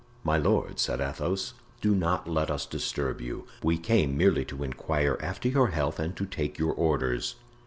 "My lord," said Athos, "do not let us disturb you. We came merely to inquire after your health and to take your orders."